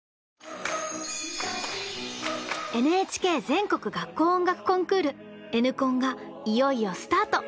ＮＨＫ全国学校音楽コンクール「Ｎコン」がいよいよスタート！